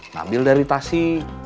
nambil dari tasi